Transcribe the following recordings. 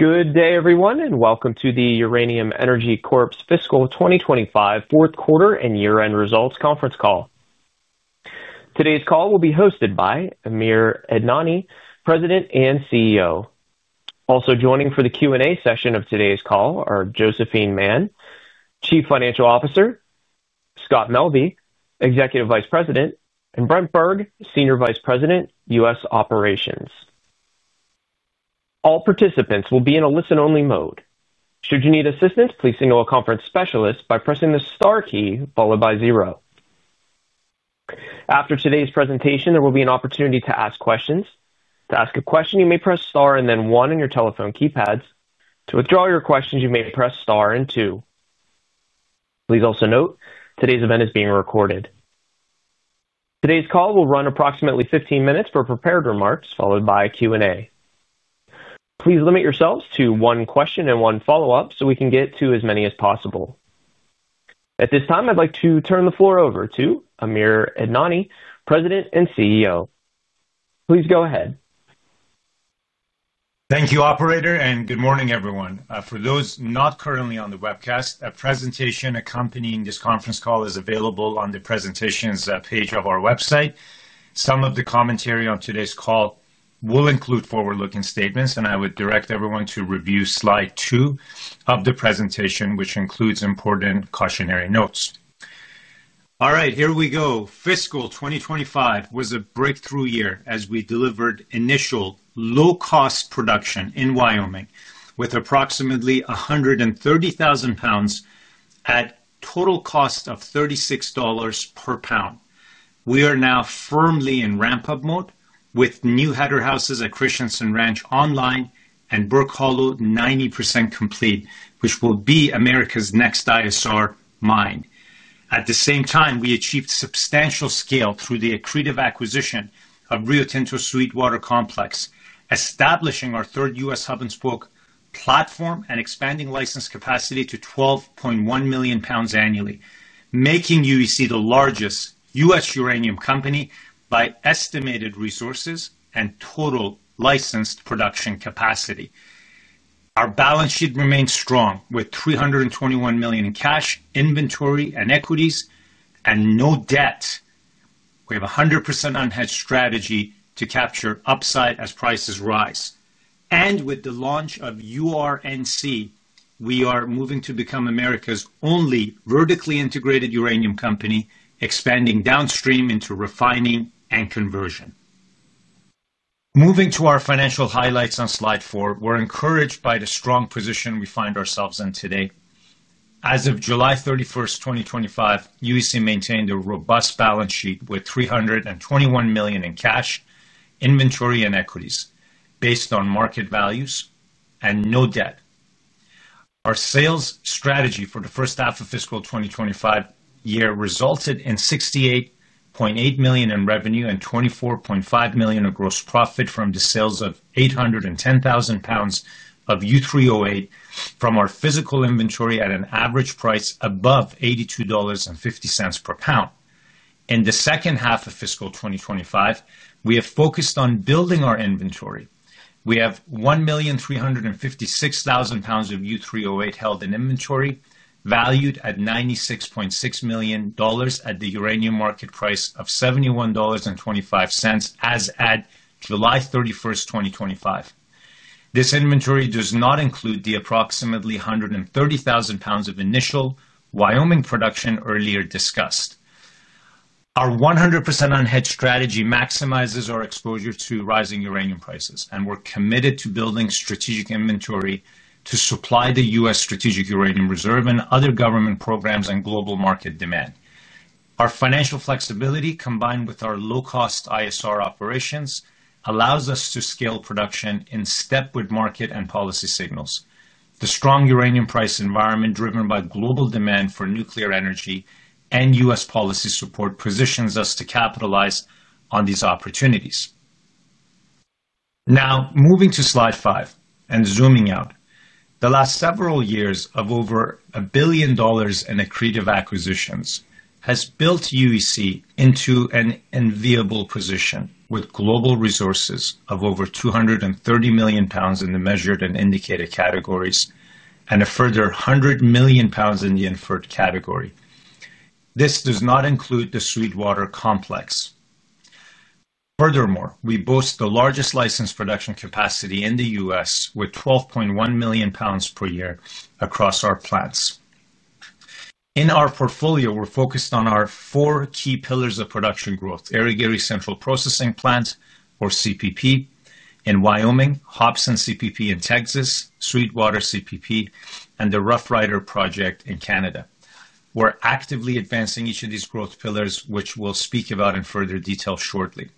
Good day, everyone, and welcome to the Uranium Energy Corp's fiscal 2025 fourth quarter and year-end results conference call. Today's call will be hosted by Amir Adnani, President and CEO. Also joining for the Q&A session of today's call are Josephine Mann, Chief Financial Officer, Scott Melbye, Executive Vice President, and Brent Berg, Senior Vice President, U.S. Operations. All participants will be in a listen-only mode. Should you need assistance, please signal a conference specialist by pressing the star key followed by zero. After today's presentation, there will be an opportunity to ask questions. To ask a question, you may press star and then one on your telephone keypads. To withdraw your questions, you may press star and two. Please also note today's event is being recorded. Today's call will run approximately 15 minutes for prepared remarks followed by Q&A. Please limit yourselves to one question and one follow-up so we can get to as many as possible. At this time, I'd like to turn the floor over to Amir Adnani, President and CEO. Please go ahead. Thank you, Operator, and good morning, everyone. For those not currently on the webcast, a presentation accompanying this conference call is available on the presentations page of our website. Some of the commentary on today's call will include forward-looking statements, and I would direct everyone to review slide two of the presentation, which includes important cautionary notes. All right, here we go. Fiscal 2025 was a breakthrough year as we delivered initial low-cost production in Wyoming with approximately 130,000 pounds at a total cost of $36 per pound. We are now firmly in ramp-up mode with new header houses at Christensen Ranch online and Brook Hollow 90% complete, which will be America's next ISR mine. At the same time, we achieved substantial scale through the accretive acquisition of Rio Tinto Sweetwater Complex, establishing our third U.S. hub-and-spoke platform and expanding licensed capacity to 12.1 million pounds annually, making UEC the largest U.S. uranium company by estimated resources and total licensed production capacity. Our balance sheet remains strong with $321 million in cash, inventory, and equities, and no debt. We have a 100% unhedged strategy to capture upside as prices rise. With the launch of URNC, we are moving to become America's only vertically integrated uranium company, expanding downstream into refining and conversion. Moving to our financial highlights on slide four, we're encouraged by the strong position we find ourselves in today. As of July 31, 2025, UEC maintained a robust balance sheet with $321 million in cash, inventory, and equities based on market values and no debt. Our sales strategy for the first half of fiscal 2025 resulted in $68.8 million in revenue and $24.5 million in gross profit from the sales of 810,000 pounds of U3O8 from our physical inventory at an average price above $82.50 per pound. In the second half of fiscal 2025, we have focused on building our inventory. We have 1,356,000 pounds of U3O8 held in inventory, valued at $96.6 million at the uranium market price of $71.25 as at July 31, 2025. This inventory does not include the approximately 130,000 pounds of initial Wyoming production earlier discussed. Our 100% unhedged strategy maximizes our exposure to rising uranium prices, and we're committed to building strategic inventory to supply the U.S. strategic uranium reserve and other government programs and global market demand. Our financial flexibility, combined with our low-cost ISR operations, allows us to scale production in step with market and policy signals. The strong uranium price environment, driven by global demand for nuclear energy and U.S. policy support, positions us to capitalize on these opportunities. Now, moving to slide five and zooming out, the last several years of over $1 billion in accretive acquisitions have built UEC into an enviable position with global resources of over 230 million pounds in the measured and indicated categories and a further 100 million pounds in the inferred category. This does not include the Sweetwater Complex. Furthermore, we boast the largest licensed production capacity in the U.S. with 12.1 million pounds per year across our plants. In our portfolio, we're focused on our four key pillars of production growth: Eri-Gary Central Processing Plant, or CPP in Wyoming, Hobson CPP in Texas, Sweetwater CPP, and the Roughrider Project in Canada. We're actively advancing each of these growth pillars, which we'll speak about in further detail shortly.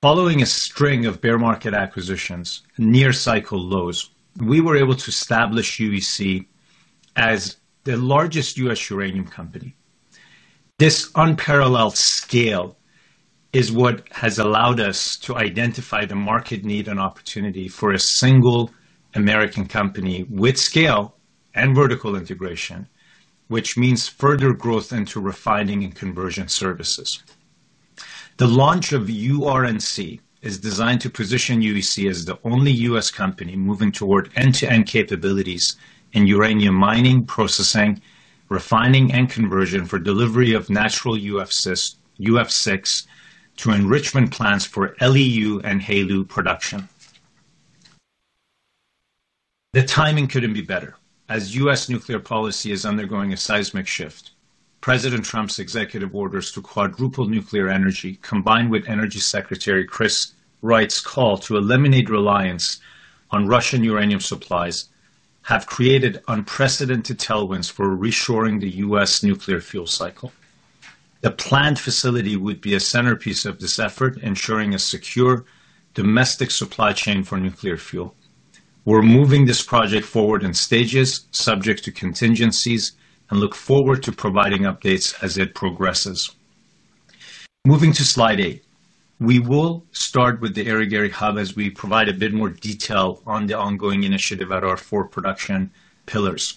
Following a string of bear market acquisitions near cycle lows, we were able to establish UEC as the largest U.S. uranium company. This unparalleled scale is what has allowed us to identify the market need and opportunity for a single American company with scale and vertical integration, which means further growth into refining and conversion services. The launch of URNC is designed to position UEC as the only U.S. company moving toward end-to-end capabilities in uranium mining, processing, refining, and conversion for delivery of natural UF6 to enrichment plants for LEU and HALU production. The timing couldn't be better as U.S. nuclear policy is undergoing a seismic shift. President Trump's executive orders to quadruple nuclear energy, combined with Energy Secretary Chris Wright's call to eliminate reliance on Russian uranium supplies, have created unprecedented tailwinds for reshoring the U.S. nuclear fuel cycle. The planned facility would be a centerpiece of this effort, ensuring a secure domestic supply chain for nuclear fuel. We're moving this project forward in stages, subject to contingencies, and look forward to providing updates as it progresses. Moving to slide eight, we will start with the Eri-Gary hub as we provide a bit more detail on the ongoing initiative at our four production pillars.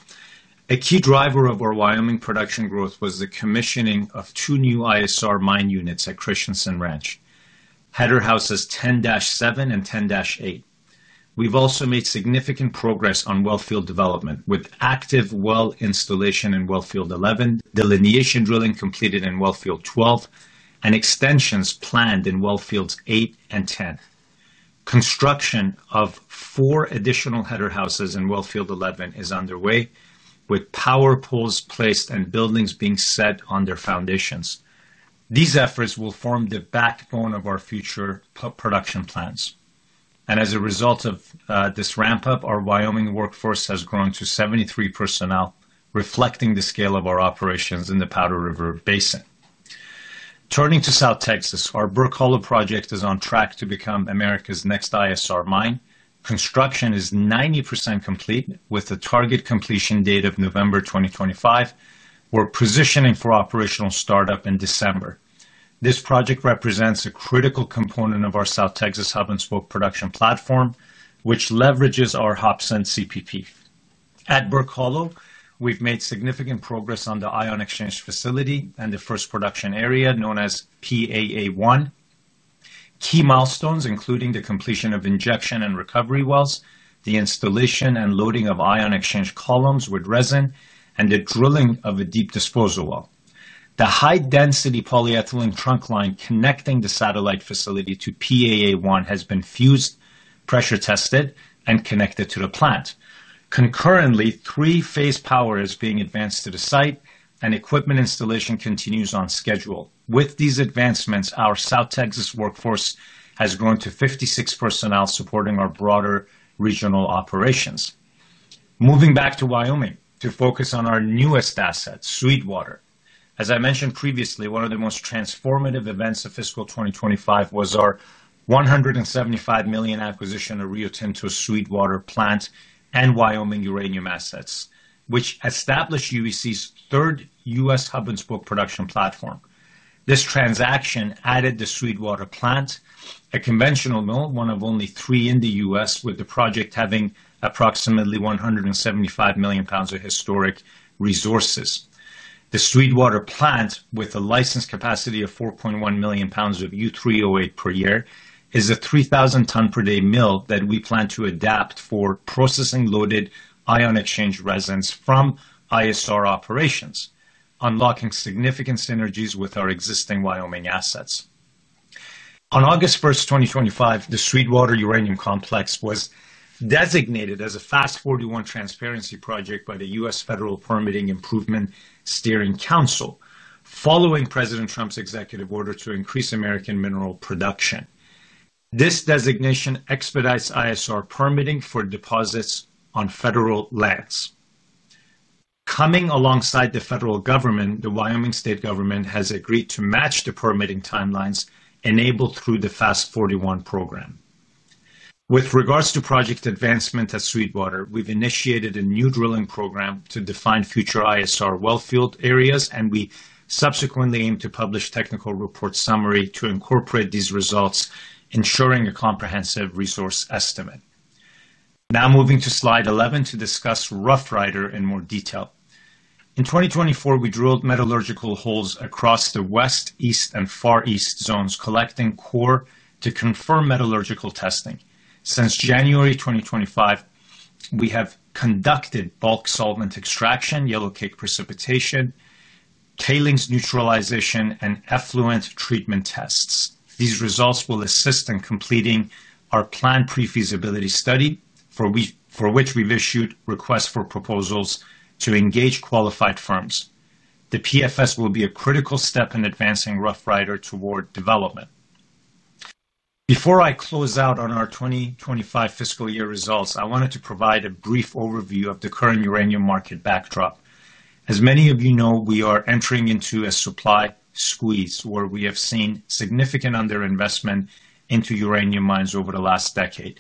A key driver of our Wyoming production growth was the commissioning of two new ISR mine units at Christensen Ranch, header houses 10-7 and 10-8. We've also made significant progress on wellfield development with active well installation in wellfield 11, delineation drilling completed in wellfield 12, and extensions planned in wellfields 8 and 10. Construction of four additional header houses in wellfield 11 is underway, with power poles placed and buildings being set on their foundations. These efforts will form the backbone of our future production plans. As a result of this ramp-up, our Wyoming workforce has grown to 73 personnel, reflecting the scale of our operations in the Powder River Basin. Turning to South Texas, our Brook Hollow project is on track to become America's next ISR mine. Construction is 90% complete, with a target completion date of November 2025. We're positioning for operational startup in December. This project represents a critical component of our South Texas hub-and-spoke production platform, which leverages our Hobson CPP. At Brook Hollow, we've made significant progress on the ion exchange facility and the first production area known as PAA-1. Key milestones include the completion of injection and recovery wells, the installation and loading of ion exchange columns with resin, and the drilling of a deep disposal well. The high-density polyethylene trunk line connecting the satellite facility to PAA-1 has been fused, pressure-tested, and connected to the plant. Concurrently, three-phase power is being advanced to the site, and equipment installation continues on schedule. With these advancements, our South Texas workforce has grown to 56 personnel supporting our broader regional operations. Moving back to Wyoming to focus on our newest asset, Sweetwater. As I mentioned previously, one of the most transformative events of fiscal 2025 was our $175 million acquisition of Rio Tinto Sweetwater Plant and Wyoming Uranium Assets, which established UEC's third U.S. hub-and-spoke production platform. This transaction added the Sweetwater Plant, a conventional mill, one of only three in the U.S., with the project having approximately 175 million pounds of historic resources. The Sweetwater Plant, with a licensed capacity of 4.1 million pounds of U3O8 per year, is a 3,000-ton per day mill that we plan to adapt for processing loaded ion exchange resins from ISR operations, unlocking significant synergies with our existing Wyoming assets. On August 1, 2025, the Sweetwater Complex was designated as a FAST 41 transparency project by the U.S. Federal Permitting Improvement Steering Council, following President Trump's executive order to increase American mineral production. This designation expedites ISR permitting for deposits on federal lands. Coming alongside the federal government, the Wyoming State Government has agreed to match the permitting timelines enabled through the FAST 41 program. With regards to project advancement at Sweetwater, we've initiated a new drilling program to define future ISR wellfield areas, and we subsequently aim to publish a technical report summary to incorporate these results, ensuring a comprehensive resource estimate. Now moving to slide 11 to discuss Roughrider in more detail. In 2024, we drilled metallurgical holes across the west, east, and far east zones, collecting core to confirm metallurgical testing. Since January 2025, we have conducted bulk solvent extraction, yellowcake precipitation, tailings neutralization, and effluent treatment tests. These results will assist in completing our planned pre-feasibility study, for which we've issued requests for proposals to engage qualified firms. The PFS will be a critical step in advancing Roughrider toward development. Before I close out on our 2025 fiscal year results, I wanted to provide a brief overview of the current uranium market backdrop. As many of you know, we are entering into a supply squeeze where we have seen significant underinvestment into uranium mines over the last decade.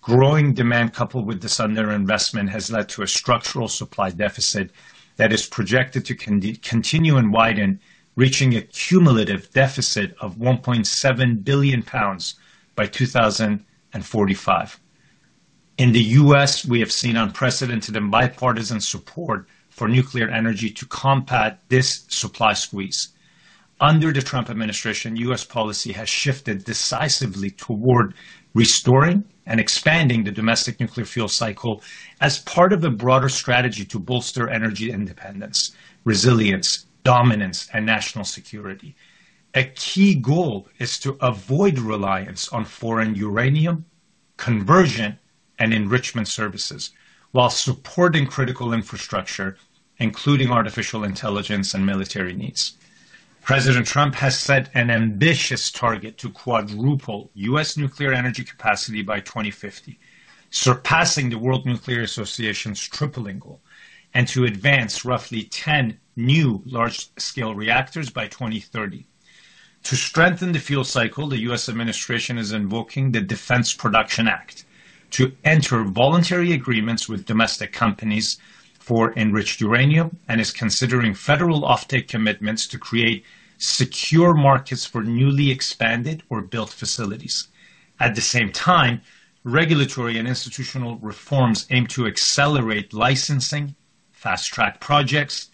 Growing demand, coupled with this underinvestment, has led to a structural supply deficit that is projected to continue and widen, reaching a cumulative deficit of 1.7 billion pounds by 2045. In the U.S., we have seen unprecedented and bipartisan support for nuclear energy to combat this supply squeeze. Under the Trump administration, U.S. policy has shifted decisively toward restoring and expanding the domestic nuclear fuel cycle as part of a broader strategy to bolster energy independence, resilience, dominance, and national security. A key goal is to avoid reliance on foreign uranium, conversion, and enrichment services while supporting critical infrastructure, including artificial intelligence and military needs. President Trump has set an ambitious target to quadruple U.S. nuclear energy capacity by 2050, surpassing the World Nuclear Association's triple-angle, and to advance roughly 10 new large-scale reactors by 2030. To strengthen the fuel cycle, the U.S. administration is invoking the Defense Production Act to enter voluntary agreements with domestic companies for enriched uranium and is considering federal offtake commitments to create secure markets for newly expanded or built facilities. At the same time, regulatory and institutional reforms aim to accelerate licensing, fast-track projects,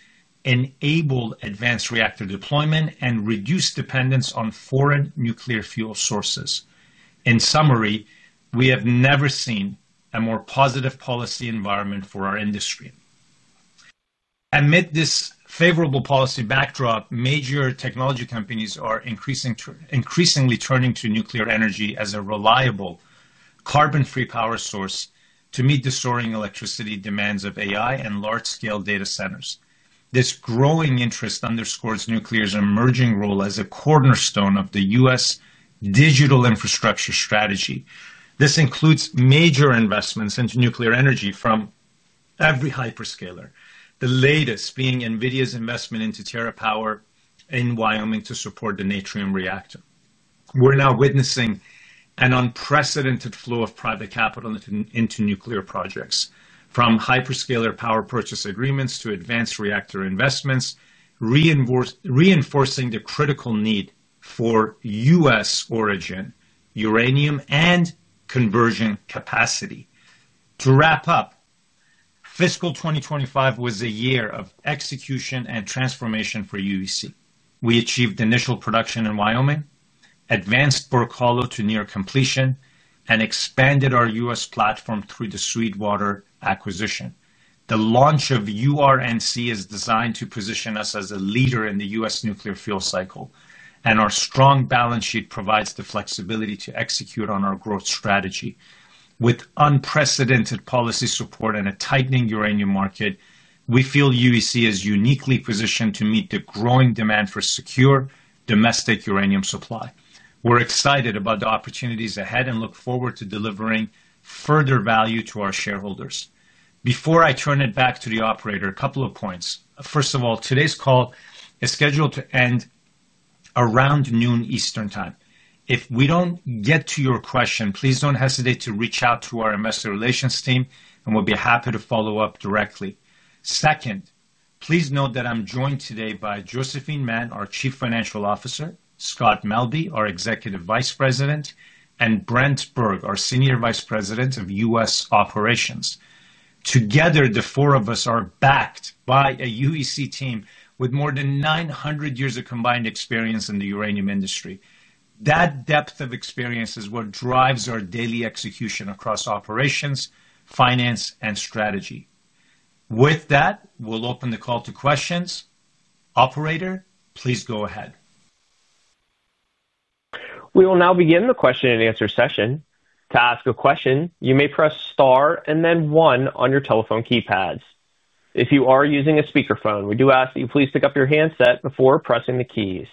enable advanced reactor deployment, and reduce dependence on foreign nuclear fuel sources. In summary, we have never seen a more positive policy environment for our industry. Amid this favorable policy backdrop, major technology companies are increasingly turning to nuclear energy as a reliable carbon-free power source to meet the soaring electricity demands of AI and large-scale data centers. This growing interest underscores nuclear's emerging role as a cornerstone of the U.S. digital infrastructure strategy. This includes major investments into nuclear energy from every hyperscaler, the latest being Nvidia's investment into TerraPower in Wyoming to support the Natrium reactor. We're now witnessing an unprecedented flow of private capital into nuclear projects, from hyperscaler power purchase agreements to advanced reactor investments, reinforcing the critical need for U.S. origin uranium and conversion capacity. To wrap up, fiscal 2025 was a year of execution and transformation for UEC. We achieved initial production in Wyoming, advanced Brook Hollow to near completion, and expanded our U.S. platform through the Sweetwater acquisition. The launch of URNC is designed to position us as a leader in the U.S. nuclear fuel cycle, and our strong balance sheet provides the flexibility to execute on our growth strategy. With unprecedented policy support and a tightening uranium market, we feel UEC is uniquely positioned to meet the growing demand for secure domestic uranium supply. We're excited about the opportunities ahead and look forward to delivering further value to our shareholders. Before I turn it back to the Operator, a couple of points. First of all, today's call is scheduled to end around 12:00 P.M. Eastern Time. If we don't get to your question, please don't hesitate to reach out to our investor relations team, and we'll be happy to follow up directly. Second, please note that I'm joined today by Josephine Mann, our Chief Financial Officer, Scott Melbye, our Executive Vice President, and Brent Berg, our Senior Vice President of U.S. Operations. Together, the four of us are backed by a UEC team with more than 900 years of combined experience in the uranium industry. That depth of experience is what drives our daily execution across operations, finance, and strategy. With that, we'll open the call to questions. Operator, please go ahead. We will now begin the question and answer session. To ask a question, you may press star and then one on your telephone keypads. If you are using a speakerphone, we do ask that you please pick up your handset before pressing the keys.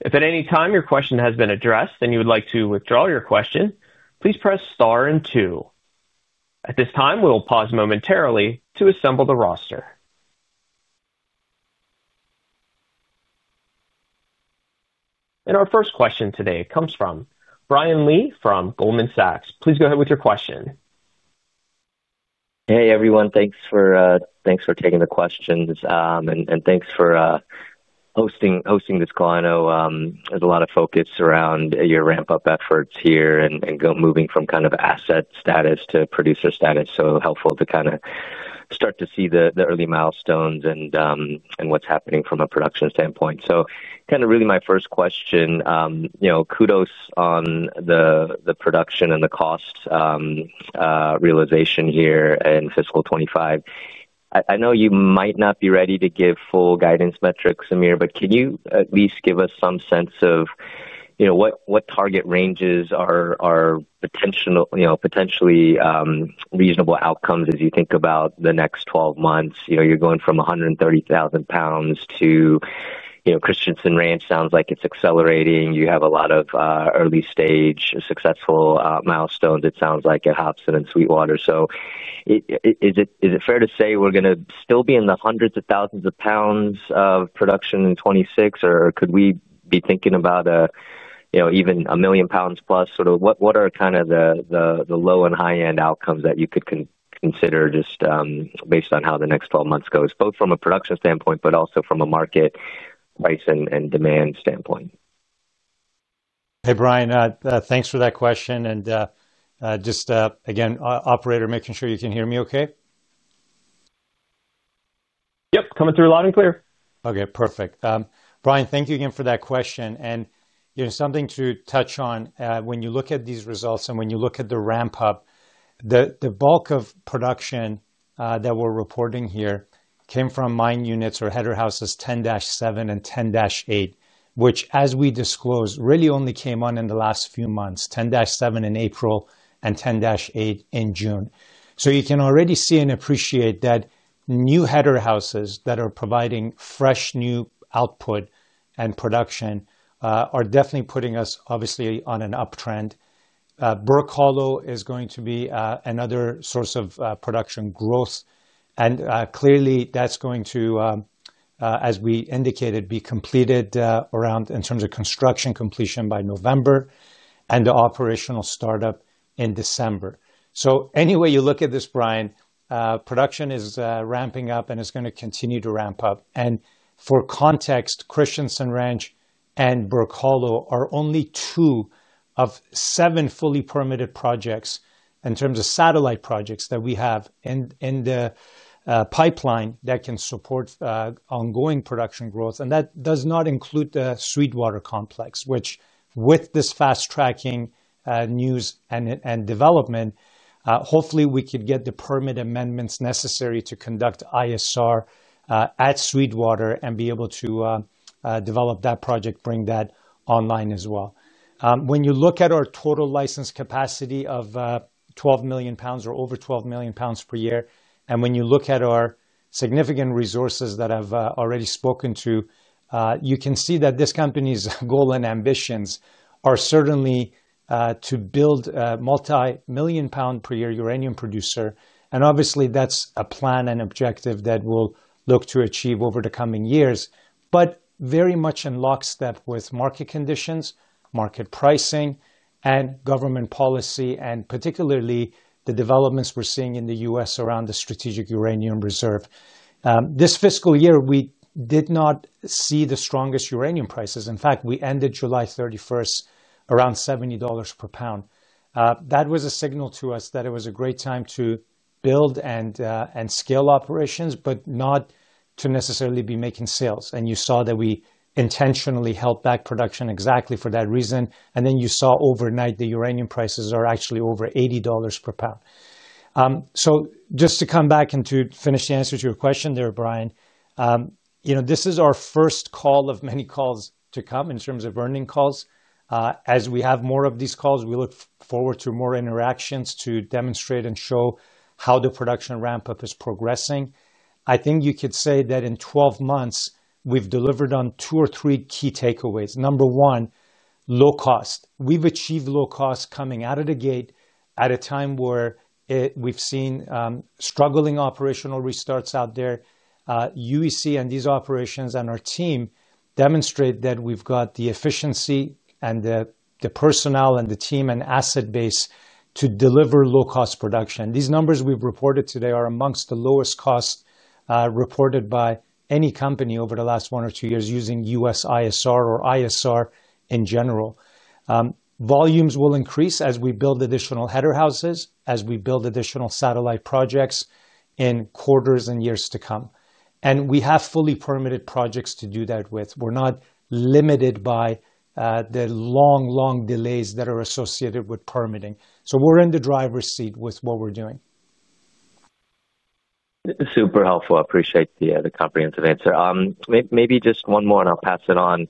If at any time your question has been addressed and you would like to withdraw your question, please press star and two. At this time, we will pause momentarily to assemble the roster. Our first question today comes from Brian Lee from Goldman Sachs. Please go ahead with your question. Hey everyone, thanks for taking the questions and thanks for hosting this call. I know there's a lot of focus around your ramp-up efforts here and moving from kind of asset status to producer status. It's helpful to start to see the early milestones and what's happening from a production standpoint. My first question, kudos on the production and the cost realization here in fiscal 2025. I know you might not be ready to give full guidance metrics, Amir, but can you at least give us some sense of what target ranges are potentially reasonable outcomes as you think about the next 12 months? You're going from 130,000 pounds to, you know, Christensen Ranch sounds like it's accelerating. You have a lot of early stage successful milestones, it sounds like, at Hobson CPP and Sweetwater Complex. Is it fair to say we're going to still be in the hundreds of thousands of pounds of production in 2026, or could we be thinking about even a million pounds plus? What are the low and high-end outcomes that you could consider just based on how the next 12 months goes, both from a production standpoint but also from a market price and demand standpoint? Hey Brian, thanks for that question. Operator, making sure you can hear me okay? Yep, coming through loud and clear. Okay, perfect. Brian, thank you again for that question. You know, something to touch on when you look at these results and when you look at the ramp-up, the bulk of production that we're reporting here came from mine units or header houses 10-7 and 10-8, which, as we disclosed, really only came on in the last few months, 10-7 in April and 10-8 in June. You can already see and appreciate that new header houses that are providing fresh new output and production are definitely putting us obviously on an uptrend. Brook Hollow is going to be another source of production growth. Clearly, that's going to, as we indicated, be completed around in terms of construction completion by November and the operational startup in December. Any way you look at this, Brian, production is ramping up and it's going to continue to ramp up. For context, Christensen Ranch and Brook Hollow are only two of seven fully permitted projects in terms of satellite projects that we have in the pipeline that can support ongoing production growth. That does not include the Sweetwater Complex, which with this fast-tracking news and development, hopefully we could get the permit amendments necessary to conduct ISR at Sweetwater and be able to develop that project, bring that online as well. When you look at our total licensed capacity of 12 million pounds or over 12 million pounds per year, and when you look at our significant resources that I've already spoken to, you can see that this company's goal and ambitions are certainly to build a multi-million pound per year uranium producer. Obviously, that's a plan and objective that we'll look to achieve over the coming years, but very much in lockstep with market conditions, market pricing, and government policy, and particularly the developments we're seeing in the U.S. around the strategic uranium reserve. This fiscal year, we did not see the strongest uranium prices. In fact, we ended July 31st around $70 per pound. That was a signal to us that it was a great time to build and scale operations, but not to necessarily be making sales. You saw that we intentionally held back production exactly for that reason. Then you saw overnight the uranium prices are actually over $80 per pound. Just to come back and to finish the answer to your question there, Brian, you know, this is our first call of many calls to come in terms of earning calls. As we have more of these calls, we look forward to more interactions to demonstrate and show how the production ramp-up is progressing. I think you could say that in 12 months, we've delivered on two or three key takeaways. Number one, low cost. We've achieved low cost coming out of the gate at a time where we've seen struggling operational restarts out there. UEC and these operations and our team demonstrate that we've got the efficiency and the personnel and the team and asset base to deliver low-cost production. These numbers we've reported today are amongst the lowest costs reported by any company over the last one or two years using U.S. ISR or ISR in general. Volumes will increase as we build additional header houses, as we build additional satellite projects in quarters and years to come. We have fully permitted projects to do that with. We're not limited by the long, long delays that are associated with permitting. We're in the driver's seat with what we're doing. Super helpful. I appreciate the comprehensive answer. Maybe just one more and I'll pass it on.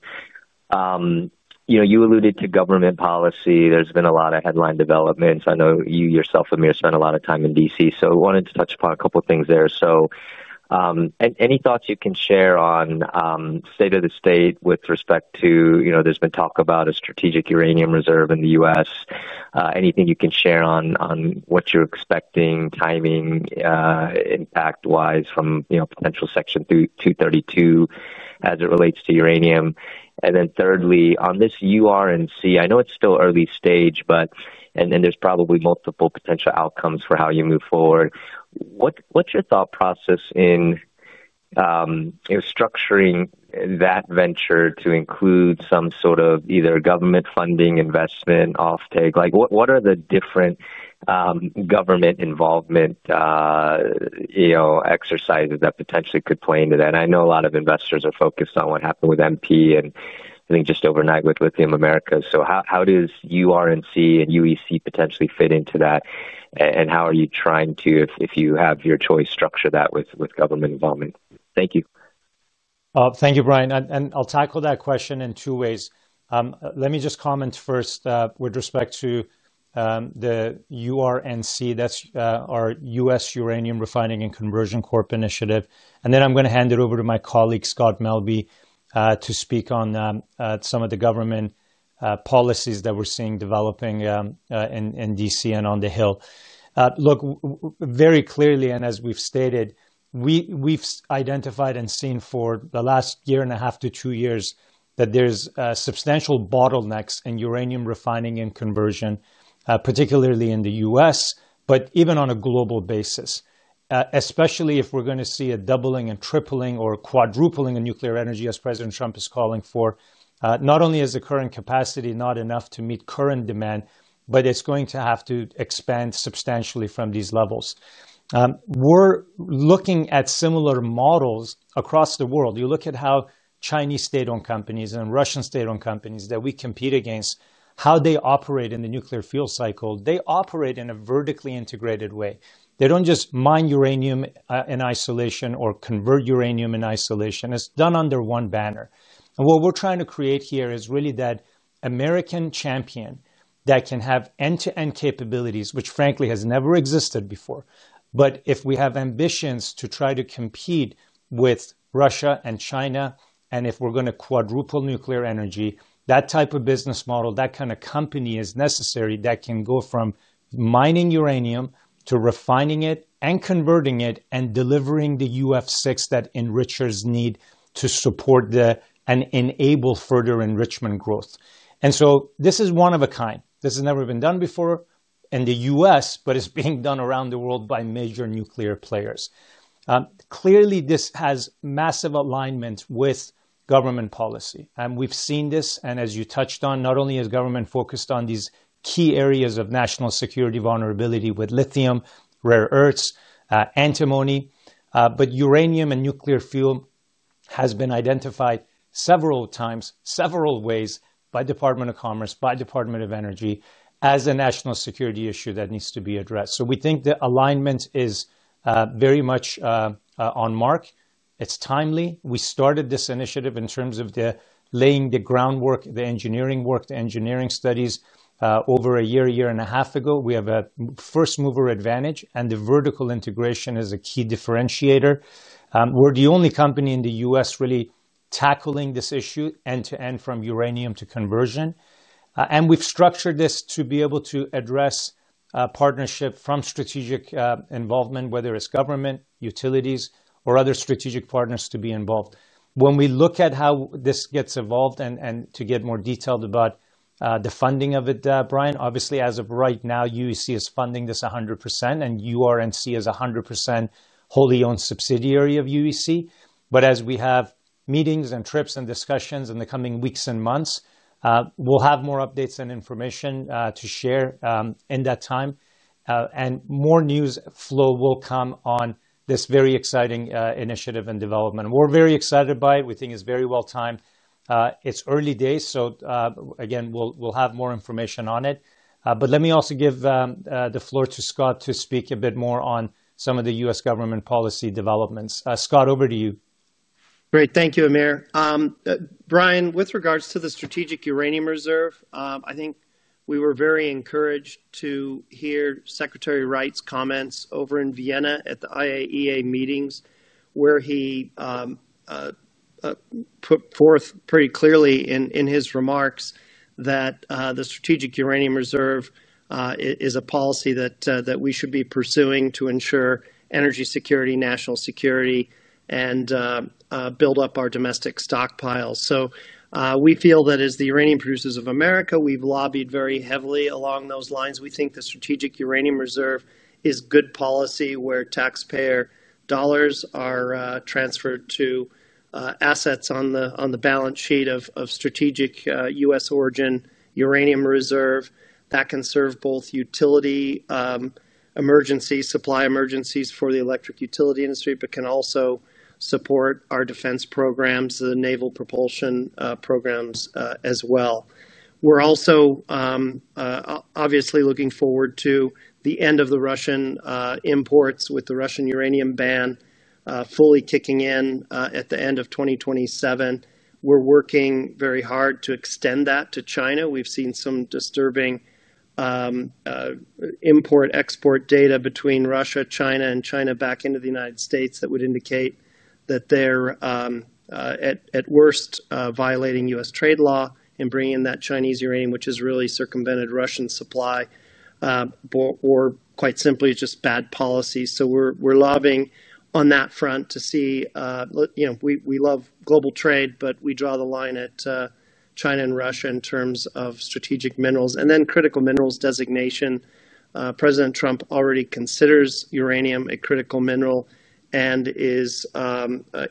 You alluded to government policy. There's been a lot of headline developments. I know you yourself, Amir, spend a lot of time in D.C. I wanted to touch upon a couple of things there. Any thoughts you can share on state of the state with respect to, you know, there's been talk about a strategic uranium reserve in the U.S.? Anything you can share on what you're expecting, timing impact-wise from, you know, potential Section 232 as it relates to uranium? Thirdly, on this URNC, I know it's still early stage, but then there's probably multiple potential outcomes for how you move forward. What's your thought process in structuring that venture to include some sort of either government funding, investment, offtake? What are the different government involvement exercises that potentially could play into that? I know a lot of investors are focused on what happened with MP and I think just overnight with Lithium America. How does URNC and UEC potentially fit into that? How are you trying to, if you have your choice, structure that with government involvement? Thank you. Thank you, Brian. I'll tackle that question in two ways. Let me just comment first with respect to the URNC. That's our U.S. Uranium Refining and Conversion Corp initiative. I'm going to hand it over to my colleague Scott Melbye to speak on some of the government policies that we're seeing developing in D.C. and on the Hill. Very clearly, and as we've stated, we've identified and seen for the last year and a half to two years that there's substantial bottlenecks in uranium refining and conversion, particularly in the U.S., but even on a global basis, especially if we're going to see a doubling and tripling or quadrupling in nuclear energy, as President Trump is calling for. Not only is the current capacity not enough to meet current demand, but it's going to have to expand substantially from these levels. We're looking at similar models across the world. You look at how Chinese state-owned companies and Russian state-owned companies that we compete against, how they operate in the nuclear fuel cycle, they operate in a vertically integrated way. They don't just mine uranium in isolation or convert uranium in isolation. It's done under one banner. What we're trying to create here is really that American champion that can have end-to-end capabilities, which frankly has never existed before. If we have ambitions to try to compete with Russia and China, and if we're going to quadruple nuclear energy, that type of business model, that kind of company is necessary that can go from mining uranium to refining it and converting it and delivering the UF6 that enrichers need to support and enable further enrichment growth. This is one of a kind. This has never been done before in the U.S., but it's being done around the world by major nuclear players. Clearly, this has massive alignment with government policy. We've seen this, and as you touched on, not only is government focused on these key areas of national security vulnerability with lithium, rare earths, antimony, but uranium and nuclear fuel has been identified several times, several ways by the Department of Commerce, by the Department of Energy as a national security issue that needs to be addressed. We think the alignment is very much on mark. It's timely. We started this initiative in terms of laying the groundwork, the engineering work, the engineering studies over a year, year and a half ago. We have a first-mover advantage, and the vertical integration is a key differentiator. We're the only company in the U.S. really tackling this issue end-to-end from uranium to conversion. We've structured this to be able to address partnership from strategic involvement, whether it's government, utilities, or other strategic partners to be involved. When we look at how this gets evolved and to get more detailed about the funding of it, Brian, obviously as of right now, UEC is funding this 100% and URNC is 100% wholly owned subsidiary of UEC. As we have meetings and trips and discussions in the coming weeks and months, we'll have more updates and information to share in that time. More news flow will come on this very exciting initiative and development. We're very excited by it. We think it's very well timed. It's early days, so again, we'll have more information on it. Let me also give the floor to Scott to speak a bit more on some of the U.S. government policy developments. Scott, over to you. Great, thank you, Amir. Brian, with regards to the strategic uranium reserve, I think we were very encouraged to hear Secretary Wright's comments over in Vienna at the IAEA meetings where he put forth pretty clearly in his remarks that the strategic uranium reserve is a policy that we should be pursuing to ensure energy security, national security, and build up our domestic stockpiles. We feel that as the Uranium Producers of America, we've lobbied very heavily along those lines. We think the strategic uranium reserve is good policy where taxpayer dollars are transferred to assets on the balance sheet of strategic U.S. origin uranium reserve that can serve both utility emergencies, supply emergencies for the electric utility industry, but can also support our defense programs, the naval propulsion programs as well. We're also obviously looking forward to the end of the Russian imports with the Russian uranium ban fully kicking in at the end of 2027. We're working very hard to extend that to China. We've seen some disturbing import-export data between Russia, China, and China back into the United States that would indicate that they're, at worst, violating U.S. trade law and bringing in that Chinese uranium, which has really circumvented Russian supply or quite simply just bad policy. We're lobbying on that front to see, you know, we love global trade, but we draw the line at China and Russia in terms of strategic minerals and then critical minerals designation. President Trump already considers uranium a critical mineral and is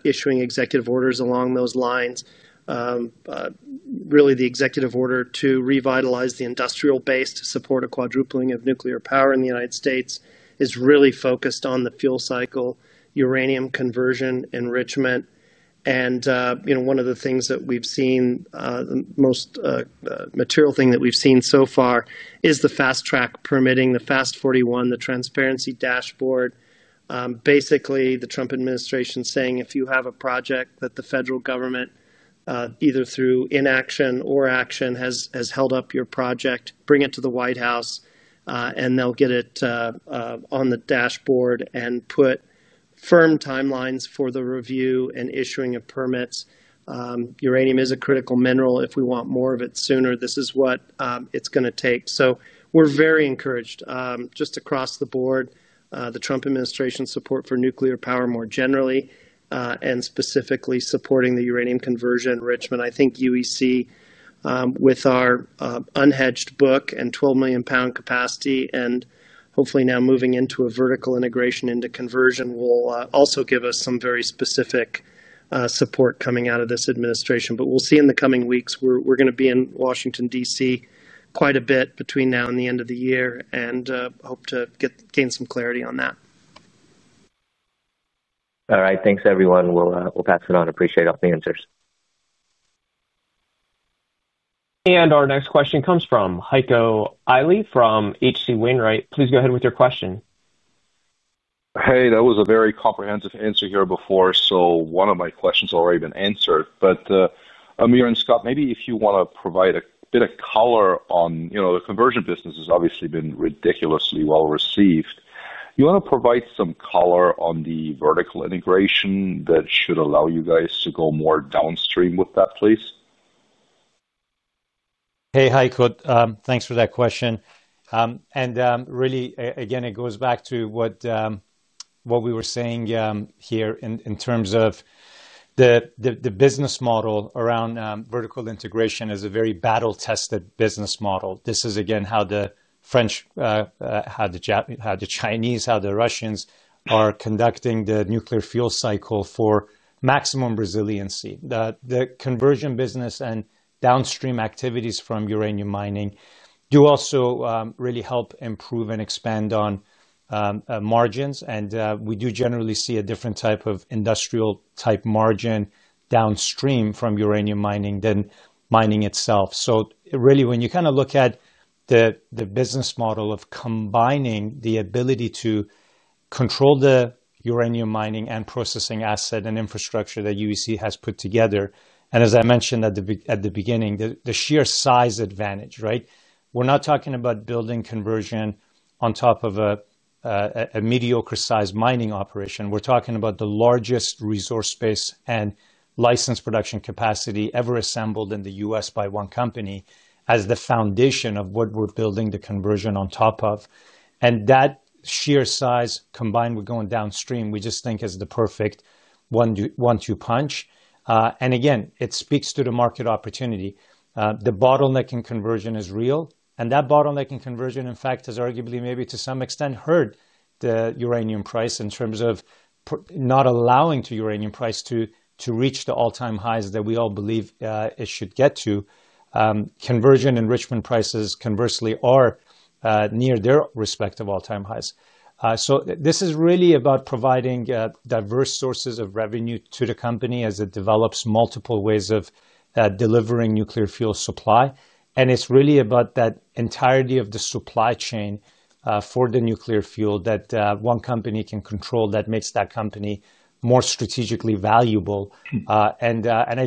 issuing executive orders along those lines. Really, the executive order to revitalize the industrial base to support a quadrupling of nuclear power in the United States is really focused on the fuel cycle, uranium conversion, enrichment. One of the things that we've seen, the most material thing that we've seen so far is the fast track permitting, the FAST 41, the transparency dashboard. Basically, the Trump administration is saying if you have a project that the federal government, either through inaction or action, has held up your project, bring it to the White House and they'll get it on the dashboard and put firm timelines for the review and issuing of permits. Uranium is a critical mineral. If we want more of it sooner, this is what it's going to take. We're very encouraged just across the board, the Trump administration's support for nuclear power more generally and specifically supporting the uranium conversion enrichment. I think UEC, with our unhedged book and 12 million pound capacity and hopefully now moving into a vertical integration into conversion, will also give us some very specific support coming out of this administration. We'll see in the coming weeks. We're going to be in Washington, DC quite a bit between now and the end of the year and hope to gain some clarity on that. All right, thanks everyone. We'll pass it on. Appreciate all the answers. Our next question comes from Heiko Eile from HC Wainwright. Please go ahead with your question. That was a very comprehensive answer here before, so one of my questions has already been answered. Amir and Scott, maybe if you want to provide a bit of color on, you know, the conversion business has obviously been ridiculously well received. You want to provide some color on the vertical integration that should allow you guys to go more downstream with that, please? Hey Heiko, thanks for that question. It goes back to what we were saying here in terms of the business model around vertical integration. It is a very battle-tested business model. This is how the French, the Chinese, and the Russians are conducting the nuclear fuel cycle for maximum resiliency. The conversion business and downstream activities from uranium mining do also really help improve and expand on margins. We do generally see a different type of industrial type margin downstream from uranium mining than mining itself. When you look at the business model of combining the ability to control the uranium mining and processing asset and infrastructure that UEC has put together, and as I mentioned at the beginning, the sheer size advantage, right? We're not talking about building conversion on top of a mediocre size mining operation. We're talking about the largest resource base and licensed production capacity ever assembled in the U.S. by one company as the foundation of what we're building the conversion on top of. That sheer size combined with going downstream, we just think is the perfect one-two punch. It speaks to the market opportunity. The bottleneck in conversion is real. That bottleneck in conversion, in fact, has arguably maybe to some extent hurt the uranium price in terms of not allowing the uranium price to reach the all-time highs that we all believe it should get to. Conversion enrichment prices conversely are near their respective all-time highs. This is really about providing diverse sources of revenue to the company as it develops multiple ways of delivering nuclear fuel supply. It's really about that entirety of the supply chain for the nuclear fuel that one company can control that makes that company more strategically valuable. I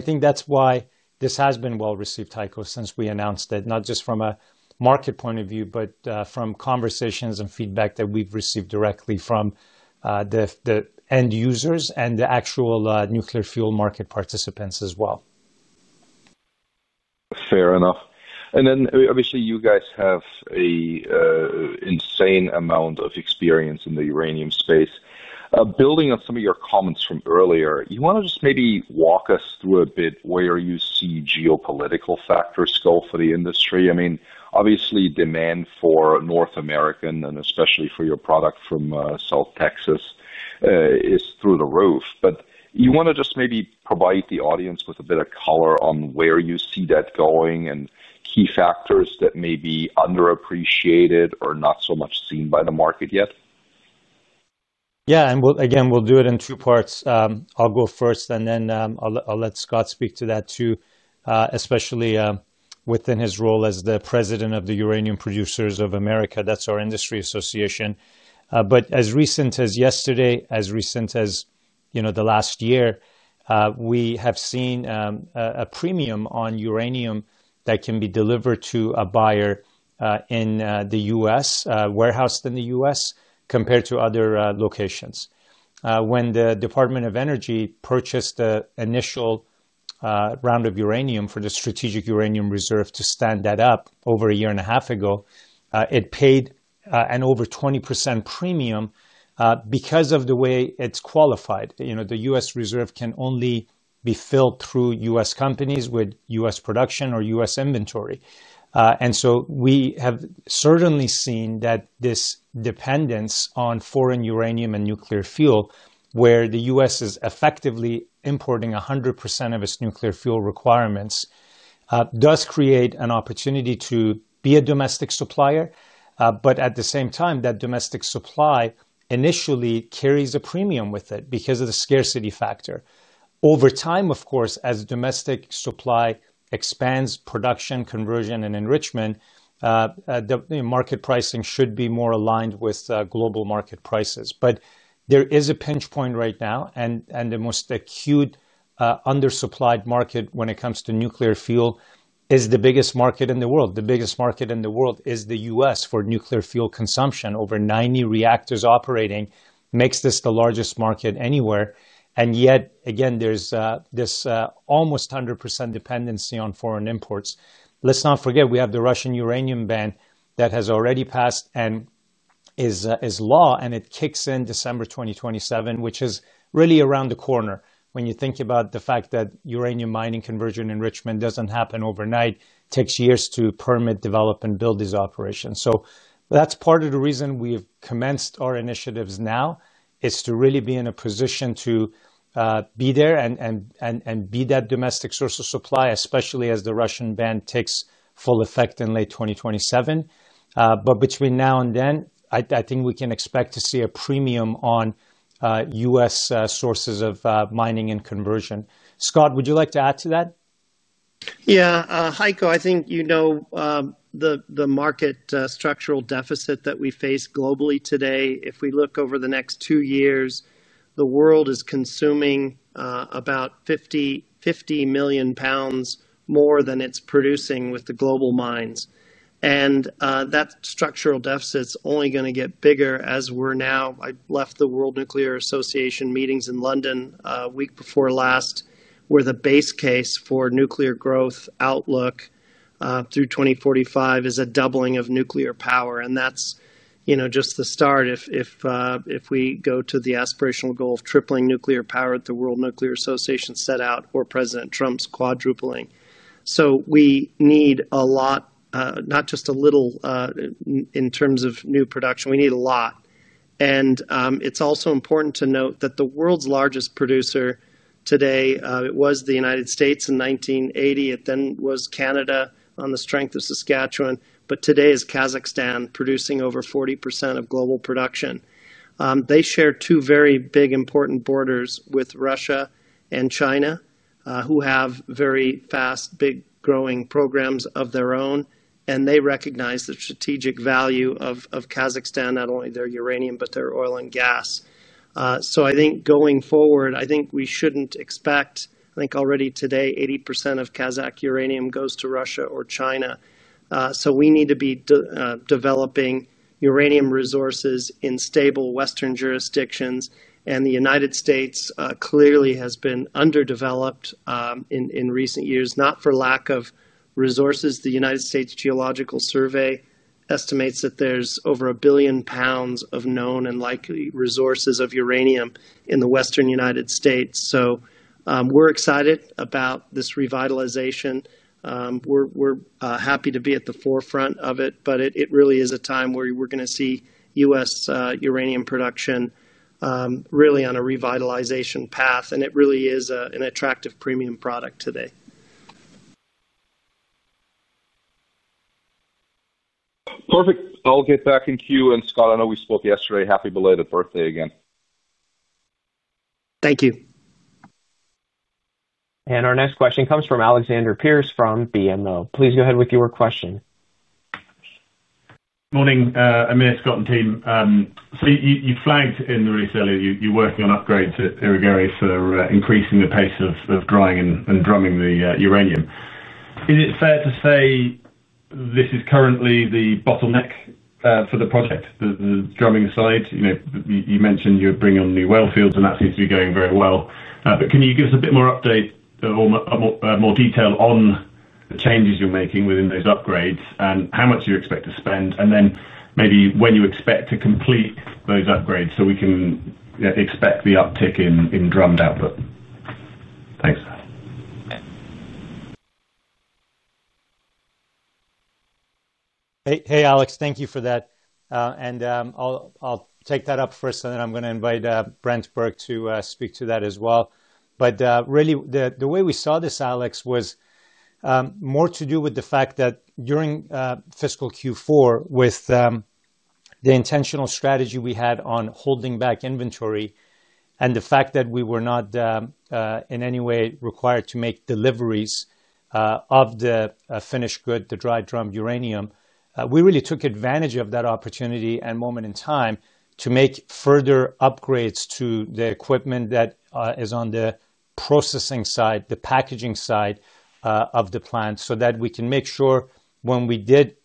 think that's why this has been well received, Heiko, since we announced it, not just from a market point of view, but from conversations and feedback that we've received directly from the end users and the actual nuclear fuel market participants as well. Fair enough. Obviously, you guys have an insane amount of experience in the uranium space. Building on some of your comments from earlier, you want to just maybe walk us through a bit where you see geopolitical factors go for the industry. I mean, obviously demand for North American, and especially for your product from South Texas, is through the roof. You want to just maybe provide the audience with a bit of color on where you see that going and key factors that may be underappreciated or not so much seen by the market yet? Yeah, and again, we'll do it in two parts. I'll go first and then I'll let Scott speak to that too, especially within his role as the President of the Uranium Producers of America. That's our industry association. As recent as yesterday, as recent as, you know, the last year, we have seen a premium on uranium that can be delivered to a buyer in the U.S., warehoused in the U.S., compared to other locations. When the Department of Energy purchased the initial round of uranium for the strategic uranium reserve to stand that up over a year and a half ago, it paid an over 20% premium because of the way it's qualified. The U.S. reserve can only be filled through U.S. companies with U.S. production or U.S. inventory. We have certainly seen that this dependence on foreign uranium and nuclear fuel, where the U.S. is effectively importing 100% of its nuclear fuel requirements, does create an opportunity to be a domestic supplier. At the same time, that domestic supply initially carries a premium with it because of the scarcity factor. Over time, of course, as domestic supply expands, production, conversion, and enrichment, market pricing should be more aligned with global market prices. There is a pinch point right now, and the most acute undersupplied market when it comes to nuclear fuel is the biggest market in the world. The biggest market in the world is the U.S. for nuclear fuel consumption. Over 90 reactors operating makes this the largest market anywhere. Yet again, there's this almost 100% dependency on foreign imports. Let's not forget we have the Russian uranium ban that has already passed and is law, and it kicks in December 2027, which is really around the corner when you think about the fact that uranium mining, conversion, enrichment doesn't happen overnight. It takes years to permit, develop, and build these operations. That's part of the reason we've commenced our initiatives now is to really be in a position to be there and be that domestic source of supply, especially as the Russian ban takes full effect in late 2027. Between now and then, I think we can expect to see a premium on U.S. sources of mining and conversion. Scott, would you like to add to that? Yeah, Heiko, I think you know the market structural deficit that we face globally today. If we look over the next two years, the world is consuming about 50 million pounds more than it's producing with the global mines. That structural deficit is only going to get bigger as we're now, I left the World Nuclear Association meetings in London a week before last, where the base case for nuclear growth outlook through 2045 is a doubling of nuclear power. That's just the start if we go to the aspirational goal of tripling nuclear power that the World Nuclear Association set out for President Trump's quadrupling. We need a lot, not just a little in terms of new production, we need a lot. It's also important to note that the world's largest producer today was the United States in 1980. It then was Canada on the strength of Saskatchewan. Today it is Kazakhstan producing over 40% of global production. They share two very big important borders with Russia and China, who have very fast, big growing programs of their own. They recognize the strategic value of Kazakhstan, not only their uranium, but their oil and gas. I think going forward, we shouldn't expect, I think already today, 80% of Kazakh uranium goes to Russia or China. We need to be developing uranium resources in stable Western jurisdictions. The United States clearly has been underdeveloped in recent years, not for lack of resources. The United States Geological Survey estimates that there's over a billion pounds of known and likely resources of uranium in the Western United States. We're excited about this revitalization. We're happy to be at the forefront of it, but it really is a time where we're going to see U.S. uranium production really on a revitalization path. It really is an attractive premium product today. Perfect. I'll get back in queue. Scott, I know we spoke yesterday. Happy belated birthday again. Thank you. Our next question comes from Alexander Pierce from BNO. Please go ahead with your question. Morning, Amir, Scott and team. You flagged in the recently you're working on upgrades at Eri-Gary for increasing the pace of growing and drumming the uranium. Is it fair to say this is currently the bottleneck for the project, the drumming side? You mentioned you're bringing on the new wellfields and that seems to be going very well. Can you give us a bit more update or more detail on the changes you're making within those upgrades and how much you expect to spend, and then maybe when you expect to complete those upgrades so we can expect the uptick in drummed output? Thanks. Hey Alex, thank you for that. I'll take that up first, and then I'm going to invite Brent Berg to speak to that as well. Really, the way we saw this, Alex, was more to do with the fact that during fiscal Q4, with the intentional strategy we had on holding back inventory and the fact that we were not in any way required to make deliveries of the finished good, the dry drum uranium, we really took advantage of that opportunity and moment in time to make further upgrades to the equipment that is on the processing side, the packaging side of the plant, so that we can make sure when we did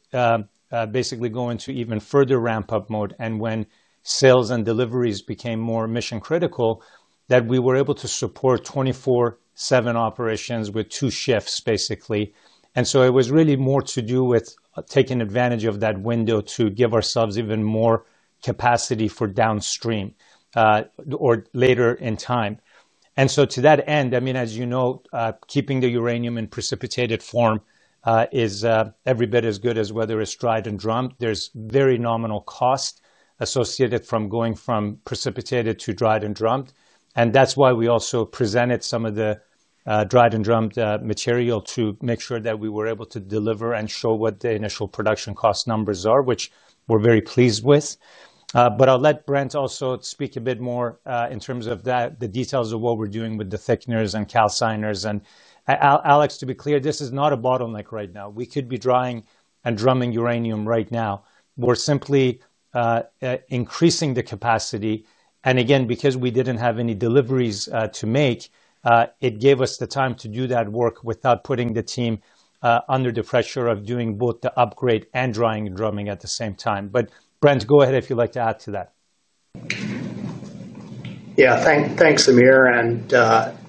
basically go into even further ramp-up mode and when sales and deliveries became more mission critical, that we were able to support 24/7 operations with two shifts basically. It was really more to do with taking advantage of that window to give ourselves even more capacity for downstream or later in time. To that end, as you know, keeping the uranium in precipitated form is every bit as good as whether it's dried and drummed. There's very nominal cost associated from going from precipitated to dried and drummed. That's why we also presented some of the dried and drummed material to make sure that we were able to deliver and show what the initial production cost numbers are, which we're very pleased with. I'll let Brent also speak a bit more in terms of the details of what we're doing with the thickeners and calciners. Alex, to be clear, this is not a bottleneck right now. We could be drying and drumming uranium right now. We're simply increasing the capacity. Again, because we didn't have any deliveries to make, it gave us the time to do that work without putting the team under the pressure of doing both the upgrade and drying and drumming at the same time. Brent, go ahead if you'd like to add to that. Yeah, thanks, Amir.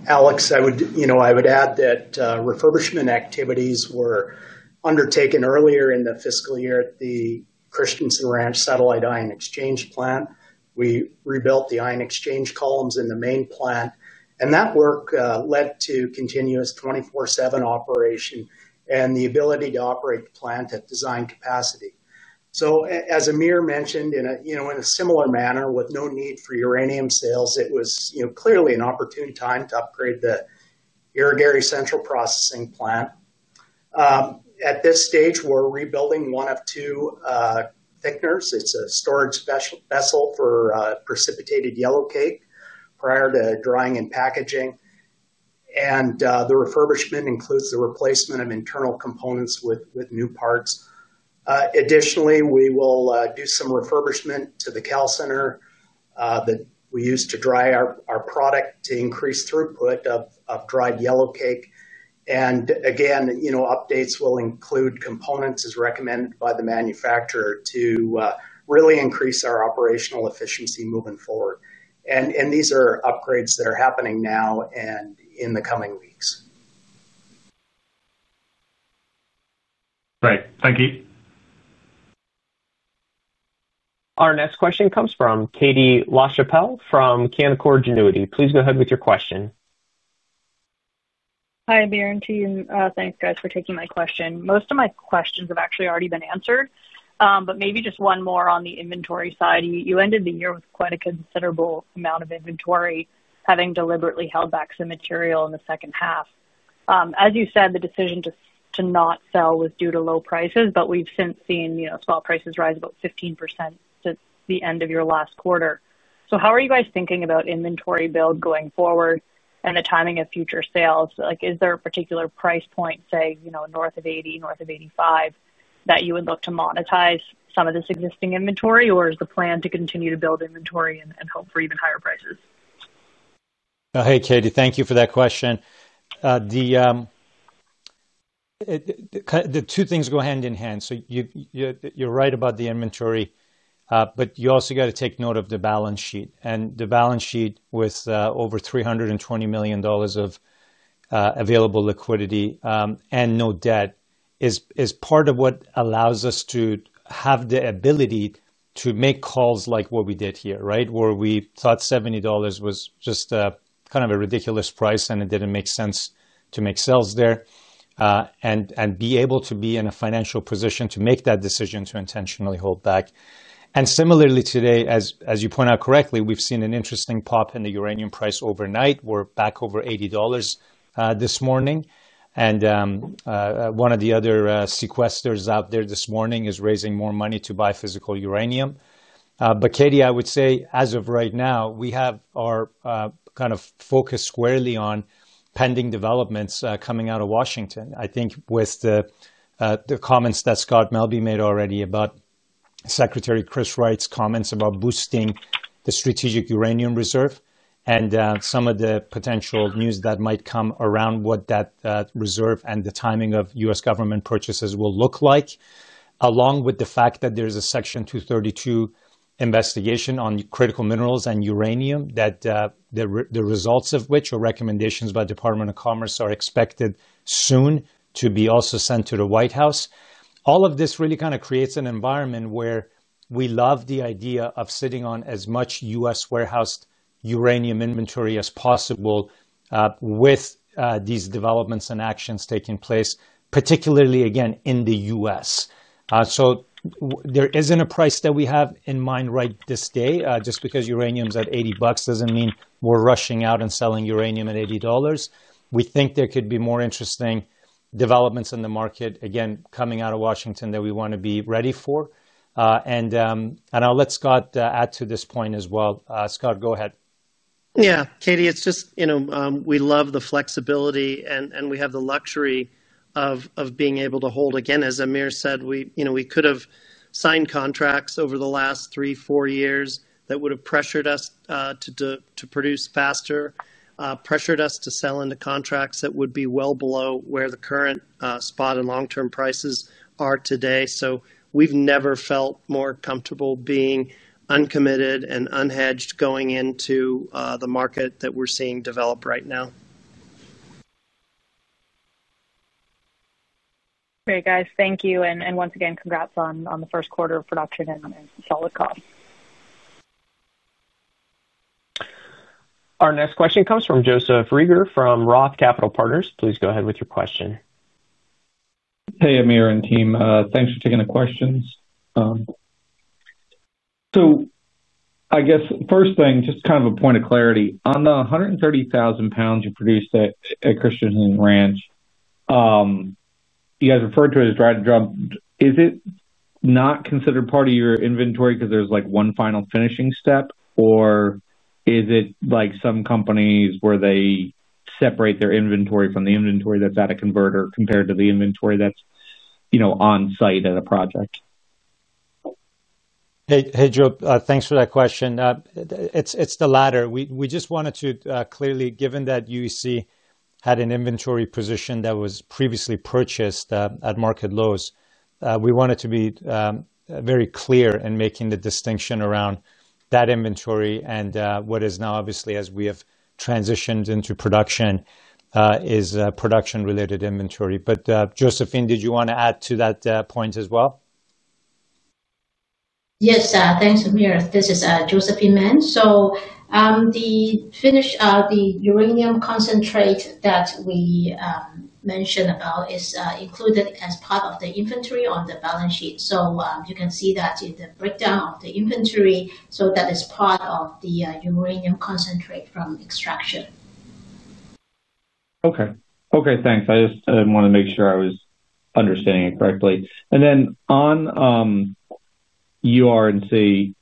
Alex, I would add that refurbishment activities were undertaken earlier in the fiscal year at the Christensen Ranch Satellite Ion Exchange Plant. We rebuilt the ion exchange columns in the main plant, and that work led to continuous 24/7 operation and the ability to operate the plant at design capacity. As Amir mentioned, in a similar manner, with no need for uranium sales, it was clearly an opportune time to upgrade the Eri-Gary Central Processing Plant at this stage. We're rebuilding one of two thickeners. It's a storage vessel for precipitated yellowcake prior to drying and packaging. The refurbishment includes the replacement of internal components with new parts. Additionally, we will do some refurbishment to the calciner that we use to dry our product to increase throughput of dried yellowcake. Updates will include components as recommended by the manufacturer to really increase our operational efficiency moving forward. These are upgrades that are happening now and in the coming weeks. Great, thank you. Our next question comes from Katie LaChapelle from Canaccord Genuity. Please go ahead with your question. Hi, Amir and team, thanks guys for taking my question. Most of my questions have actually already been answered, but maybe just one more on the inventory side. You ended the year with quite a considerable amount of inventory, having deliberately held back some material in the second half. As you said, the decision to not sell was due to low prices, but we've since seen, you know, spot prices rise about 15% since the end of your last quarter. How are you guys thinking about inventory build going forward and the timing of future sales? Is there a particular price point, say, you know, north of $80, north of $85, that you would look to monetize some of this existing inventory, or is the plan to continue to build inventory and hope for even higher prices? Hey Katie, thank you for that question. The two things go hand in hand. You're right about the inventory, but you also got to take note of the balance sheet. The balance sheet with over $320 million of available liquidity and no debt is part of what allows us to have the ability to make calls like what we did here, right? Where we thought $70 was just kind of a ridiculous price and it didn't make sense to make sales there, and be able to be in a financial position to make that decision to intentionally hold back. Similarly today, as you point out correctly, we've seen an interesting pop in the uranium price overnight. We're back over $80 this morning. One of the other sequesters out there this morning is raising more money to buy physical uranium. Katie, I would say as of right now, we have our kind of focus squarely on pending developments coming out of Washington. I think with the comments that Scott Melbye made already about Secretary Chris Wright's comments about boosting the strategic uranium reserve and some of the potential news that might come around what that reserve and the timing of U.S. government purchases will look like, along with the fact that there's a Section 232 investigation on critical minerals and uranium, the results of which are recommendations by the Department of Commerce are expected soon to be also sent to the White House. All of this really kind of creates an environment where we love the idea of sitting on as much U.S. warehouse uranium inventory as possible with these developments and actions taking place, particularly again in the U.S. There isn't a price that we have in mind right this day. Just because uranium's at $80 doesn't mean we're rushing out and selling uranium at $80. We think there could be more interesting developments in the market, again, coming out of Washington that we want to be ready for. I'll let Scott add to this point as well. Scott, go ahead. Yeah, Katie, we love the flexibility and we have the luxury of being able to hold. As Amir said, we could have signed contracts over the last three or four years that would have pressured us to produce faster, pressured us to sell into contracts that would be well below where the current spot and long-term prices are today. We've never felt more comfortable being uncommitted and unhedged going into the market that we're seeing develop right now. Great, guys, thank you. Once again, congrats on the first quarter of production and solid cost. Our next question comes from Joseph Reager from Roth Capital Partners. Please go ahead with your question. Hey Amir and team, thanks for taking the questions. First thing, just kind of a point of clarity. On the 130,000 pounds you produced at Christensen Ranch, you guys referred to it as dried and drummed. Is it not considered part of your inventory because there's like one final finishing step, or is it like some companies where they separate their inventory from the inventory that's at a converter compared to the inventory that's, you know, on site at a project? Hey Joe, thanks for that question. It's the latter. We just wanted to clearly, given that UEC had an inventory position that was previously purchased at market lows, we wanted to be very clear in making the distinction around that inventory and what is now obviously, as we have transitioned into production, is production-related inventory. Josephine, did you want to add to that point as well? Yes, thanks Amir. This is Josephine Mann. The finished, the uranium concentrate that we mentioned about is included as part of the inventory on the balance sheet. You can see that it's the breakdown of the inventory. That is part of the uranium concentrate from extraction. Okay, thanks. I just wanted to make sure I was understanding it correctly. On URNC,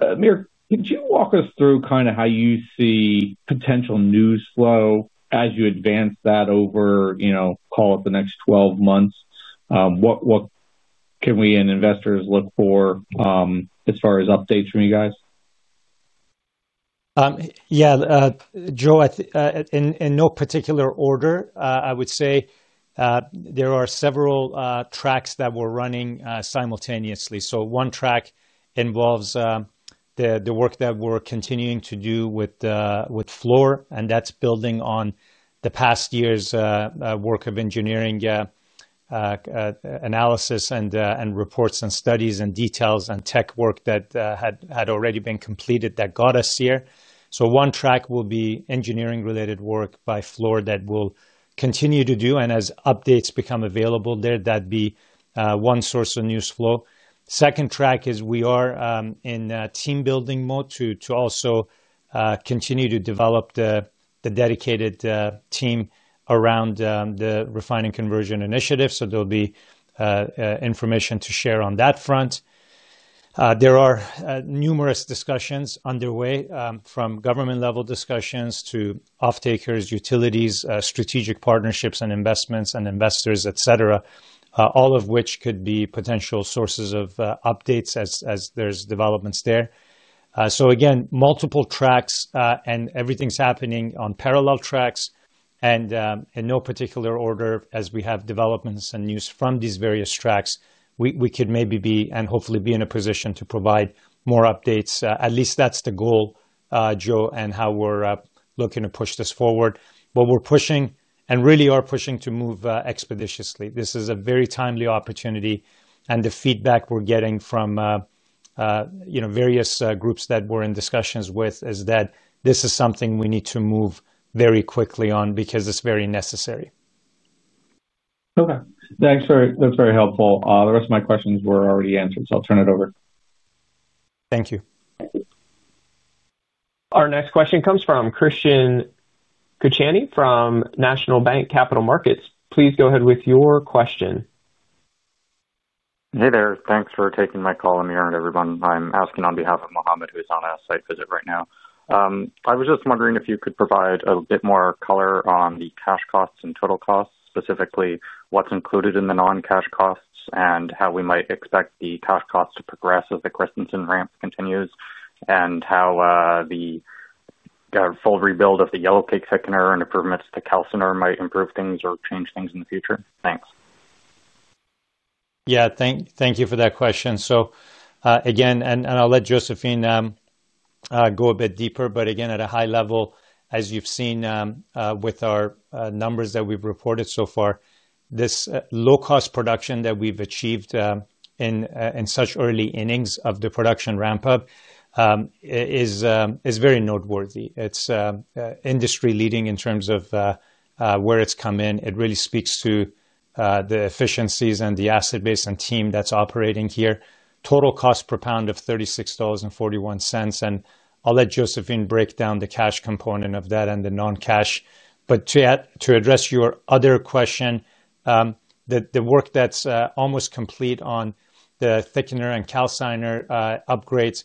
Amir, could you walk us through kind of how you see potential news flow as you advance that over, you know, call it the next 12 months? What can we and investors look for as far as updates from you guys? Yeah, Joe, in no particular order, I would say there are several tracks that we're running simultaneously. One track involves the work that we're continuing to do with Fluor, and that's building on the past year's work of engineering analysis and reports and studies and details and tech work that had already been completed that got us here. One track will be engineering-related work by Fluor that we'll continue to do. As updates become available there, that'd be one source of news flow. A second track is we are in team-building mode to also continue to develop the dedicated team around the refining conversion initiative. There'll be information to share on that front. There are numerous discussions underway from government-level discussions to off-takers, utilities, strategic partnerships and investments, and investors, et cetera, all of which could be potential sources of updates as there's developments there. Multiple tracks and everything's happening on parallel tracks. In no particular order, as we have developments and news from these various tracks, we could maybe be and hopefully be in a position to provide more updates. At least that's the goal, Joe, and how we're looking to push this forward. We're pushing and really are pushing to move expeditiously. This is a very timely opportunity. The feedback we're getting from various groups that we're in discussions with is that this is something we need to move very quickly on because it's very necessary. Okay, thanks. That's very helpful. The rest of my questions were already answered, so I'll turn it over. Thank you. Our next question comes from Christian Cuccioni from National Bank Capital Markets. Please go ahead with your question. Hey there, thanks for taking my call, Amir and everyone. I'm asking on behalf of Mohammed, who's on a site visit right now. I was just wondering if you could provide a bit more color on the cash costs and total costs, specifically what's included in the non-cash costs and how we might expect the cash costs to progress as the Christensen Ranch continues and how the full rebuild of the yellowcake thickener and improvements to calciner might improve things or change things in the future. Thanks. Thank you for that question. Again, at a high level, as you've seen with our numbers that we've reported so far, this low-cost production that we've achieved in such early innings of the production ramp-up is very noteworthy. It's industry-leading in terms of where it's come in. It really speaks to the efficiencies and the asset base and team that's operating here. Total cost per pound of $36.41. I'll let Josephine break down the cash component of that and the non-cash. To address your other question, the work that's almost complete on the thickener and calciner upgrades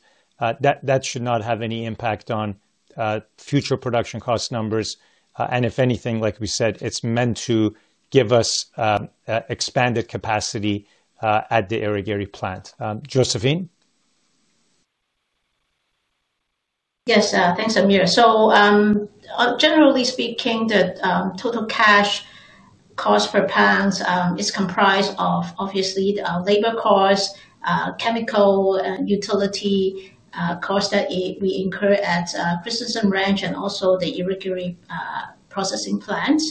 should not have any impact on future production cost numbers. If anything, like we said, it's meant to give us expanded capacity at the Eri-Gary Central Processing Plant. Josephine? Yes, thanks Amir. Generally speaking, the total cash cost for plants is comprised of obviously the labor costs, chemical and utility costs that we incur at Christensen Ranch and also the Eri-Gary Central Processing Plant.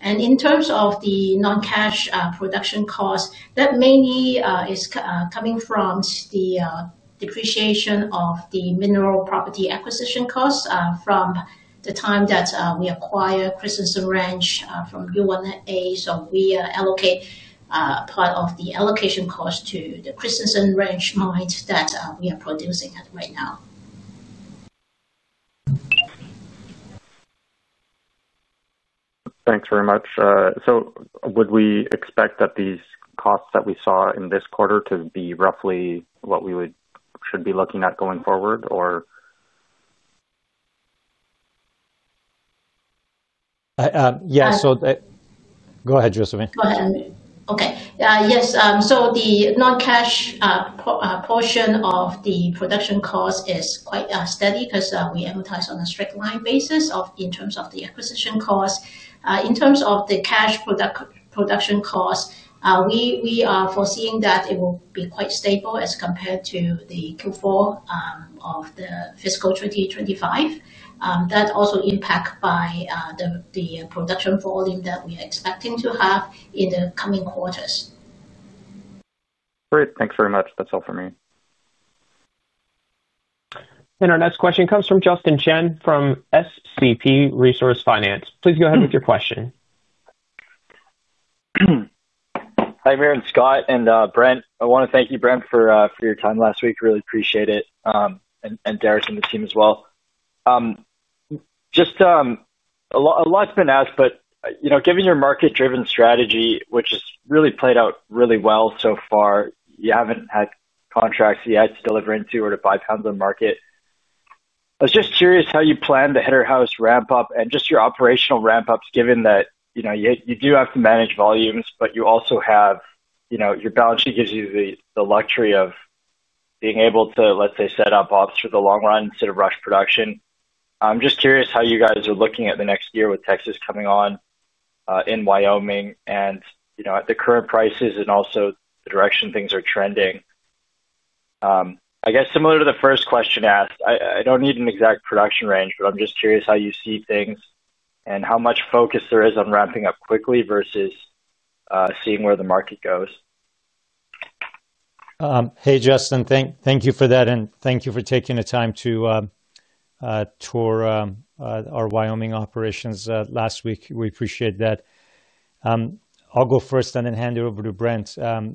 In terms of the non-cash production costs, that mainly is coming from the depreciation of the mineral property acquisition costs from the time that we acquire Christensen Ranch from U1A. We allocate a part of the allocation cost to the Christensen Ranch mines that we are producing at right now. Thank you very much. Would we expect that these costs that we saw in this quarter to be roughly what we should be looking at going forward? Yeah, so. Go ahead, Josephine. Okay, yes. The non-cash portion of the production cost is quite steady because we amortize on a straight line basis in terms of the acquisition costs. In terms of the cash production costs, we are foreseeing that it will be quite stable as compared to Q4 of fiscal 2025. That's also impacted by the production falling that we are expecting to have in the coming quarters. Great, thanks very much. That's all for me. Our next question comes from Justin Chen from SCP Resource Finance. Please go ahead with your question. Hi Amir and Scott and Brent. I want to thank you, Brent, for your time last week. Really appreciate it. Darris and the team as well. A lot's been asked, but given your market-driven strategy, which has really played out really well so far, you haven't had contracts yet to deliver into or to buy pounds on market. I was just curious how you plan to hit our house ramp-up and your operational ramp-ups, given that you do have to manage volumes, but you also have your balance sheet gives you the luxury of being able to, let's say, set up ops for the long run instead of rush production. I'm just curious how you guys are looking at the next year with Texas coming on in Wyoming and at the current prices and also the direction things are trending. I guess similar to the first question asked, I don't need an exact production range, but I'm just curious how you see things and how much focus there is on ramping up quickly versus seeing where the market goes. Hey Justin, thank you for that and thank you for taking the time to tour our Wyoming operations last week. We appreciate that. I'll go first and then hand it over to Brent. I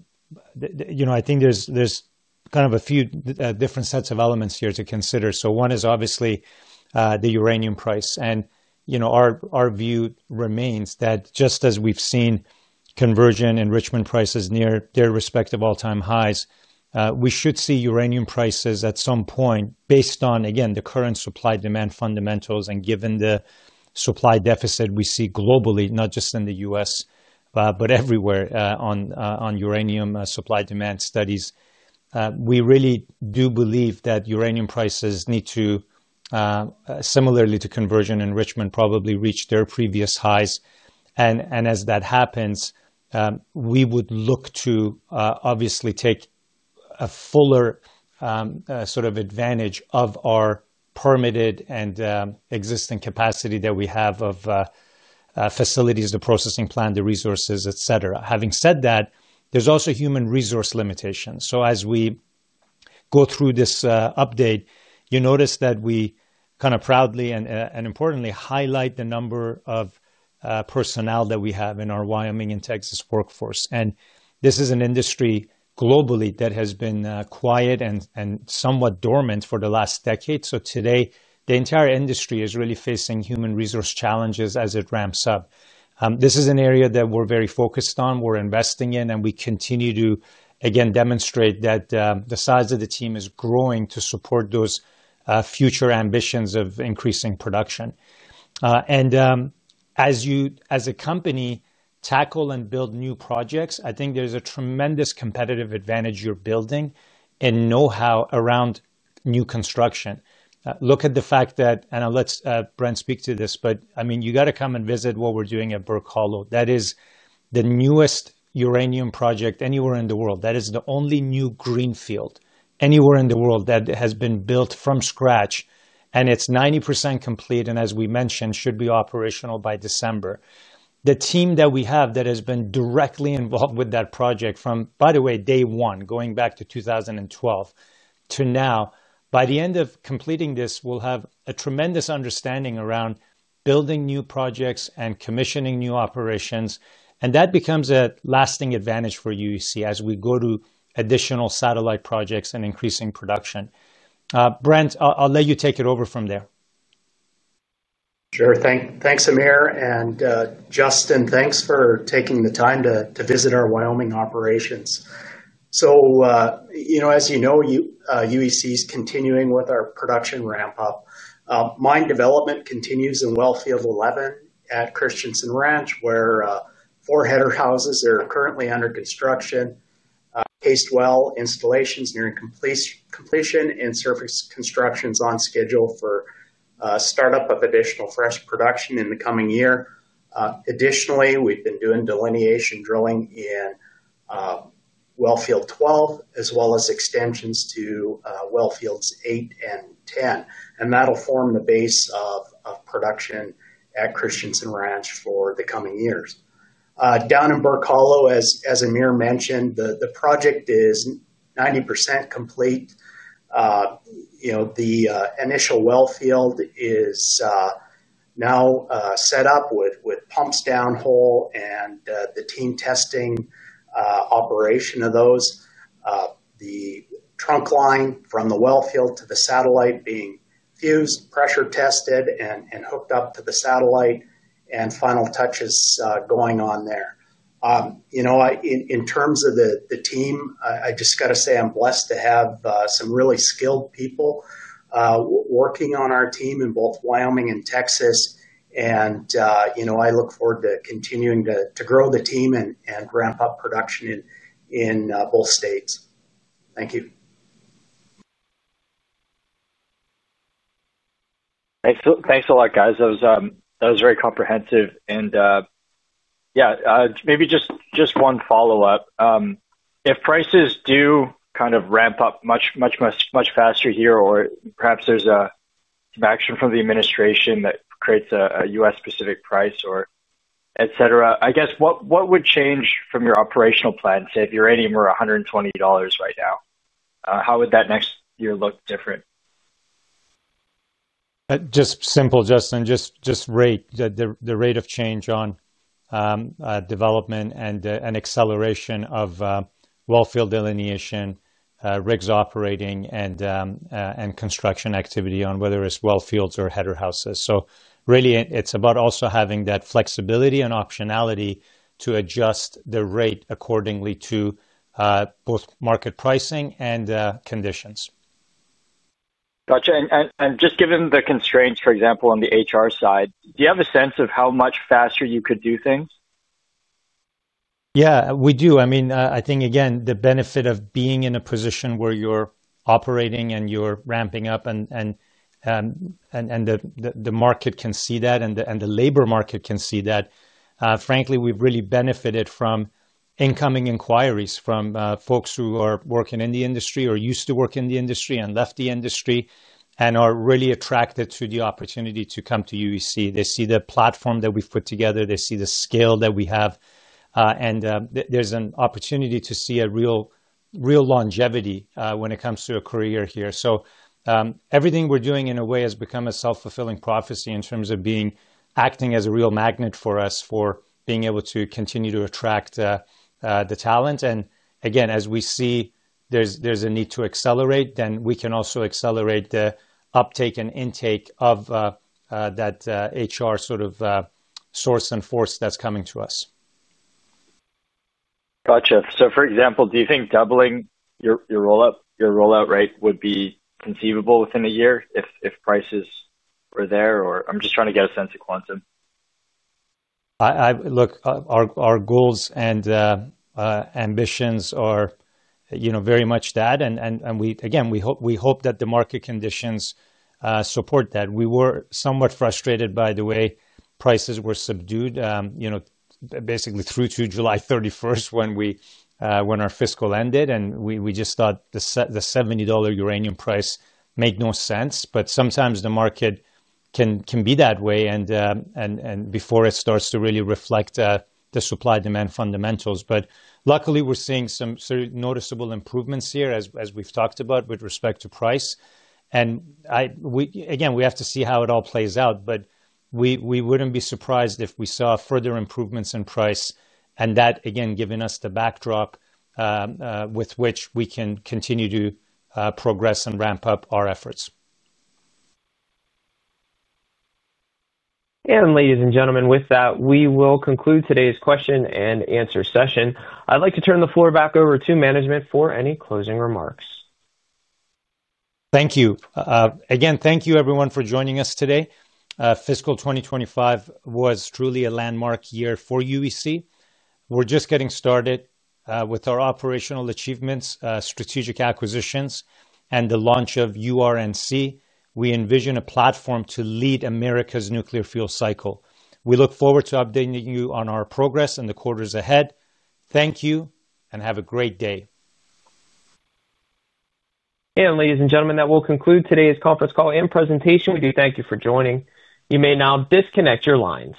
think there's kind of a few different sets of elements here to consider. One is obviously the uranium price. Our view remains that just as we've seen conversion and enrichment prices near their respective all-time highs, we should see uranium prices at some point based on, again, the current supply-demand fundamentals and given the supply deficit we see globally, not just in the U.S., but everywhere on uranium supply-demand studies. We really do believe that uranium prices need to, similarly to conversion and enrichment, probably reach their previous highs. As that happens, we would look to obviously take a fuller sort of advantage of our permitted and existing capacity that we have of facilities, the processing plant, the resources, et cetera. Having said that, there's also human resource limitations. As we go through this update, you notice that we kind of proudly and importantly highlight the number of personnel that we have in our Wyoming and Texas workforce. This is an industry globally that has been quiet and somewhat dormant for the last decade. Today, the entire industry is really facing human resource challenges as it ramps up. This is an area that we're very focused on, we're investing in, and we continue to, again, demonstrate that the size of the team is growing to support those future ambitions of increasing production. As you, as a company, tackle and build new projects, I think there's a tremendous competitive advantage you're building in know-how around new construction. Look at the fact that, and I'll let Brent speak to this, but you got to come and visit what we're doing at Brook Hollow. That is the newest uranium project anywhere in the world. That is the only new greenfield anywhere in the world that has been built from scratch. It's 90% complete, and as we mentioned, should be operational by December. The team that we have that has been directly involved with that project from, by the way, day one, going back to 2012 to now, by the end of completing this, will have a tremendous understanding around building new projects and commissioning new operations. That becomes a lasting advantage for UEC as we go to additional satellite projects and increasing production. Brent, I'll let you take it over from there. Sure, thanks Amir. Justin, thanks for taking the time to visit our Wyoming operations. As you know, UEC is continuing with our production ramp-up. Mine development continues in Wellfield 11 at Christensen Ranch, where four header houses are currently under construction, paste well installations are near completion, and surface construction is on schedule for startup of additional fresh production in the coming year. Additionally, we've been doing delineation drilling in Wellfield 12, as well as expansions to Wellfields 8 and 10. That'll form the base of production at Christensen Ranch for the coming years. Down in Brook Hollow, as Amir mentioned, the project is 90% complete. The initial Wellfield is now set up with pumps down hole and the team testing operation of those. The pump line from the Wellfield to the satellite is being fused, pressure tested, and hooked up to the satellite, with final touches going on there. In terms of the team, I just got to say I'm blessed to have some really skilled people working on our team in both Wyoming and Texas. I look forward to continuing to grow the team and ramp up production in both states. Thank you. Thanks a lot, guys. That was very comprehensive. Maybe just one follow-up. If prices do kind of ramp up much, much, much faster here, or perhaps there's an action from the administration that creates a U.S.-specific price or et cetera, I guess what would change from your operational plan? Say if uranium were $120 right now, how would that next year look different? Just simple, Justin, just rate the rate of change on development and acceleration of wellfield delineation, rigs operating, and construction activity on whether it's wellfields or header houses. It's about also having that flexibility and optionality to adjust the rate accordingly to both market pricing and conditions. Gotcha. Just given the constraints, for example, on the HR side, do you have a sense of how much faster you could do things? Yeah, we do. I mean, I think again, the benefit of being in a position where you're operating and you're ramping up and the market can see that and the labor market can see that. Frankly, we've really benefited from incoming inquiries from folks who are working in the industry or used to work in the industry and left the industry and are really attracted to the opportunity to come to UEC. They see the platform that we've put together. They see the scale that we have, and there's an opportunity to see a real longevity when it comes to a career here. Everything we're doing in a way has become a self-fulfilling prophecy in terms of acting as a real magnet for us for being able to continue to attract the talent. As we see there's a need to accelerate, we can also accelerate the uptake and intake of that HR sort of source and force that's coming to us. For example, do you think doubling your rollout rate would be conceivable within a year if prices were there? I'm just trying to get a sense of quantum. Look, our goals and ambitions are, you know, very much that. Again, we hope that the market conditions support that. We were somewhat frustrated by the way prices were subdued, you know, basically through to July 31, 2023, when our fiscal ended. We just thought the $70 uranium price made no sense. Sometimes the market can be that way. Before it starts to really reflect the supply-demand fundamentals, we're seeing some noticeable improvements here, as we've talked about with respect to price. We have to see how it all plays out. We wouldn't be surprised if we saw further improvements in price, again giving us the backdrop with which we can continue to progress and ramp up our efforts. Ladies and gentlemen, with that, we will conclude today's question and answer session. I'd like to turn the floor back over to management for any closing remarks. Thank you. Again, thank you, everyone, for joining us today. Fiscal 2025 was truly a landmark year for UEC. We're just getting started with our operational achievements, strategic acquisitions, and the launch of URNC. We envision a platform to lead America's nuclear fuel cycle. We look forward to updating you on our progress and the quarters ahead. Thank you and have a great day. Ladies and gentlemen, that will conclude today's conference call and presentation. We do thank you for joining. You may now disconnect your lines.